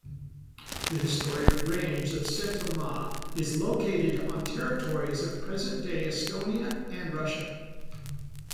The historic range of Setomaa is located on territories of present-day Estonia and Russia.